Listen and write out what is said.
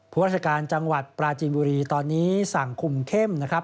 ราชการจังหวัดปราจีนบุรีตอนนี้สั่งคุมเข้มนะครับ